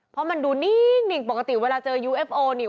เพราะมันดูนิ่งปกติเวลาเจอยูเอฟโอนี่